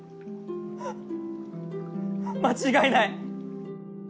間違いない！